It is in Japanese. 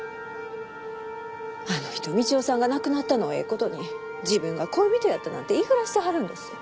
あの人道夫さんが亡くなったのをええことに自分が恋人やったなんて言い触らしてはるんです。